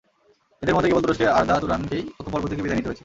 এঁদের মধ্যে কেবল তুরস্কের আরদা তুরানকেই প্রথম পর্ব থেকে বিদায় নিতে হয়েছে।